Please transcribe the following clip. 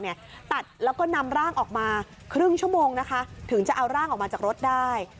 ตัดแล้วก็นำร่างออกมาครึ่งชั่วโมงนะคะถึงจะเอาร่างออกมาจากรถได้